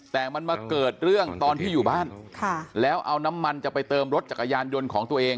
แต่มันมาเกิดเรื่องตอนที่อยู่บ้านแล้วเอาน้ำมันจะไปเติมรถจักรยานยนต์ของตัวเอง